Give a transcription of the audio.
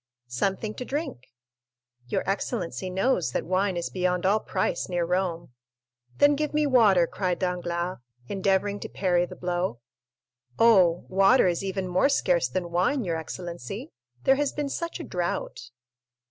"Something to drink." "Your excellency knows that wine is beyond all price near Rome." "Then give me water," cried Danglars, endeavoring to parry the blow. "Oh, water is even more scarce than wine, your excellency,—there has been such a drought."